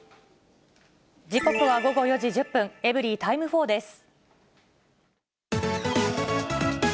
時刻は午後４時１０分、エブリィタイム４です。